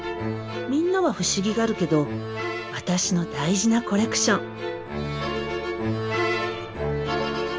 みんなは不思議がるけど私の大事なコレクション。